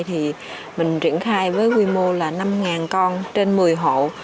thì mình triển khai với quy mô là năm con trên một mươi hộ